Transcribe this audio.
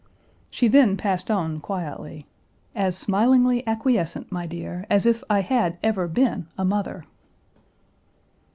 She then passed on quietly, "as smilingly acquiescent, my dear, as if I had ever been a mother."